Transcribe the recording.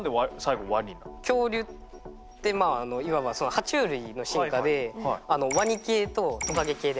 恐竜っていわばは虫類の進化でワニ系とトカゲ系で分かれるんですよ。